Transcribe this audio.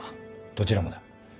どちらもだ。